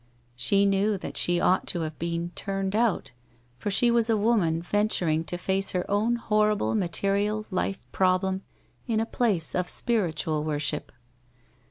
She knew that she ought to have been turned out, for she was a woman venturing to face her own horrible material life problem in a place of spiritual worship.